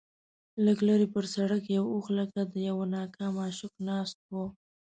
لږ لرې پر سړک یو اوښ لکه د یوه ناکام عاشق ناست و.